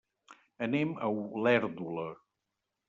Anem a Olèrdola.